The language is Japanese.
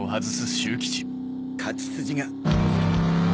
勝ち筋が。